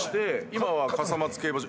今は笠松競馬場。